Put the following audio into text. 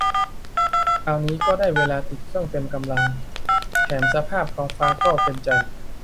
คราวนี้ก็ได้เวลาติดเครื่องเต็มกำลัง แถมสภาพท้องฟ้าก็เป็นใจ